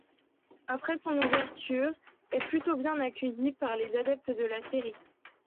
Après son ouverture ' est plutôt bien accueilli par les adeptes de la série.